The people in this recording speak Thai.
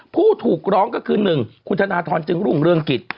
ผู้ถูกร้องก็คือ๑คุณธนทรจึงรุ่งเรืองกิจ